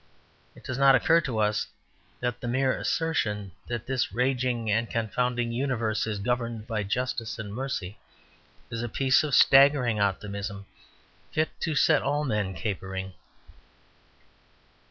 It does not occur to us that the mere assertion that this raging and confounding universe is governed by justice and mercy is a piece of staggering optimism fit to set all men capering.